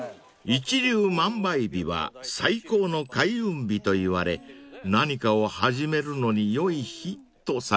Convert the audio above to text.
［一粒万倍日は最高の開運日といわれ何かを始めるのに良い日とされています］